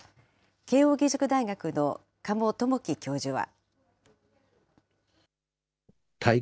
慶應義塾大学の加茂具樹教授は。